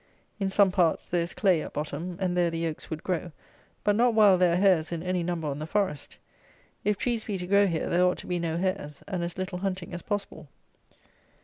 In some parts there is clay at bottom; and there the oaks would grow; but not while there are hares in any number on the forest. If trees be to grow here, there ought to be no hares, and as little hunting as possible.